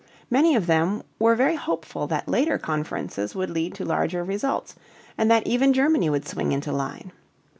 Many of them were very hopeful that later conferences would lead to larger results and that even Germany would swing into line.